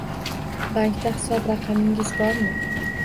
Bankda hisob raqamingiz bormi?